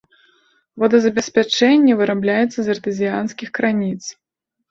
Водазабеспячэнне вырабляецца з артэзіянскіх крыніц.